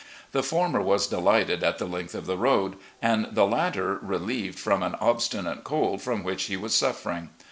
The former was delighted at the length of the road, and the latter relieved from an obstinate cold from which he was suffering.